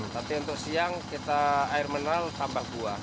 tapi untuk siang kita air mineral tambah buah